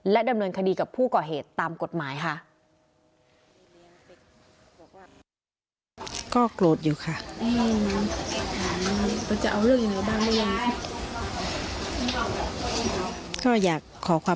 ดำเนินคดีกับผู้ก่อเหตุตามกฎหมายค่ะ